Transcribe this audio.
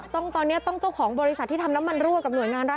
ตอนนี้ต้องเจ้าของบริษัทที่ทำน้ำมันรั่วกับหน่วยงานรัฐ